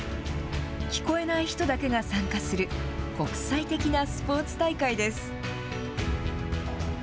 聞こえない人だけが参加する、国際的なスポーツ大会です。